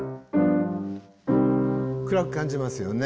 暗く感じますよね。